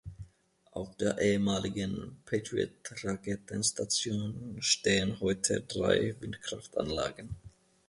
Auf der ehemaligen Patriot-Raketenstation stehen heute drei Windkraftanlagen.